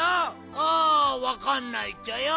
あわかんないっちゃよ。